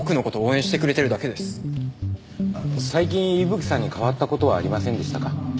最近伊吹さんに変わった事はありませんでしたか？